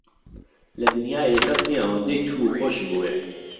لە دنیایێ کەس نییە ئەوەندەی توو خۆشم بوێ.